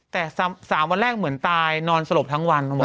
แต่๓วันแรกเหมือนตายนอนสลบทั้งวัน